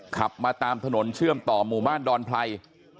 ขับมาตามถนนเชื่อมต่อหมู่บ้านดอนไพร